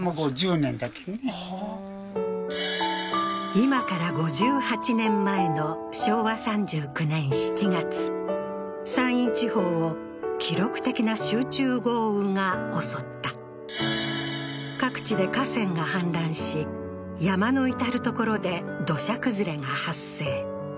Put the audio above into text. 今から５８年前の昭和３９年７月山陰地方を記録的な集中豪雨が襲った各地で河川が氾濫し山の至る所で土砂崩れが発生